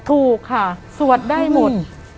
ถูกค่ะสวดได้หมด